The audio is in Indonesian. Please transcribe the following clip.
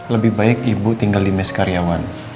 lebih baik ibu tinggal di mes karyawan